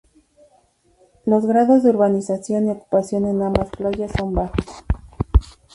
Los grados de urbanización y ocupación en ambas playas son bajos.